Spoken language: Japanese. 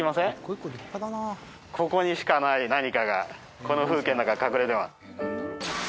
ここにしかない何かがこの風景の中に隠れてます。